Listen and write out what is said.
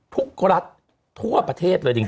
ทุกรัฐทั่วประเทศเลยจริง